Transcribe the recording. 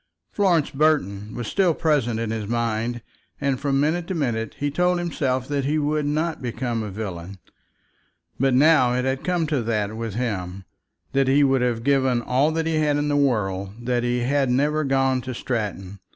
Florence Burton was still present to his mind, and from minute to minute he told himself that he would not become a villain. But now it had come to that with him, that he would have given all that he had in the world that he had never gone to Stratton.